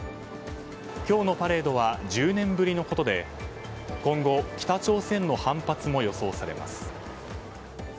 今日のパレードは１０年ぶりのことで今後、北朝鮮の反発も予想されます。